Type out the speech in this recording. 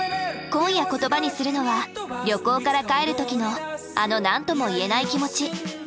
今夜言葉にするのは旅行から帰る時のあの何とも言えない気持ち。